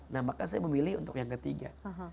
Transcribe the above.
nah maka saya memilih untuk yang ketiga